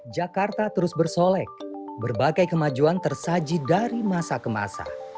jakarta terus bersolek berbagai kemajuan tersaji dari masa ke masa